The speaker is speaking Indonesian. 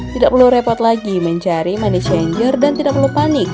tidak perlu repot lagi mencari money shanger dan tidak perlu panik